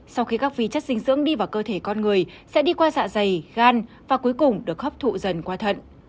sau khi các vi chất dinh dưỡng đi vào cơ thể con người sẽ đi qua dạ dày gan và cuối cùng được hấp thụ dần qua thận